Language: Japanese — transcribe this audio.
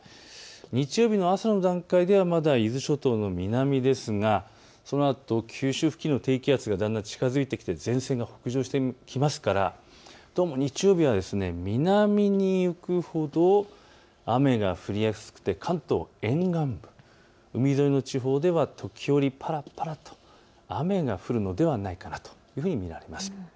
日曜日の朝の段階ではまだ伊豆諸島の南ですがそのあと九州付近の低気圧がだんだん近づいてきて前線が北上してきますから日曜日は南に行くほど雨が降りやすくて、関東沿岸部、海沿いの地方では時折ぱらぱらと雨が降るのではないかというふうに見られています。